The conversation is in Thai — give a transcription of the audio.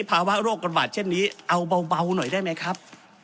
ภาวะโรคระบาดเช่นนี้เอาเบาหน่อยได้ไหมครับ